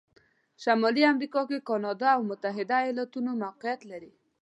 شمالي امریکا کې کانادا او متحتد ایالتونه موقعیت لري.